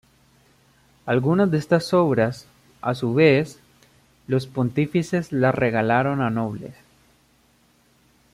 Algunas de estas obras, a su vez, los pontífices las regalaron a nobles.